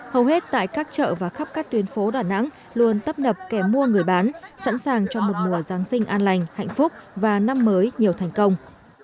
hầu hết tại các chợ và khắp các tuyến phố đà nẵng luôn tấp nập kẻ mua người bán sẵn sàng cho một mùa giáng sinh an lành hạnh phúc và năm mới nhiều thành công